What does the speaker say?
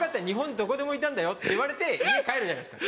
どこでもいたんだよ」って言われて家に帰るじゃないですか。